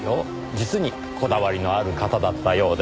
実にこだわりのある方だったようです。